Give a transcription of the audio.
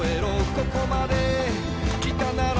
「ここまで来たなら」